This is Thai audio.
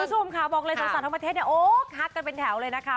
คุณผู้ชมค่ะบอกเลยสาวทั้งประเทศเนี่ยโอ้คักกันเป็นแถวเลยนะคะ